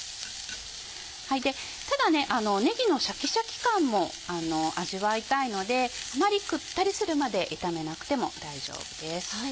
ただねぎのシャキシャキ感も味わいたいのであまりくったりするまで炒めなくても大丈夫です。